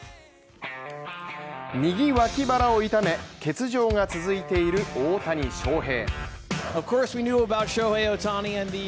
右脇腹を痛め、欠場が続いている大谷翔平。